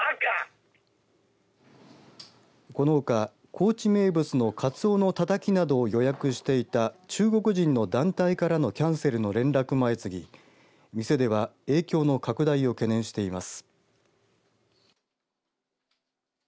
このほか高知名物のかつおのたたきなどを予約していた中国人の団体からのキャンセルの連絡も相次ぎ店では影響の拡大を懸念しています。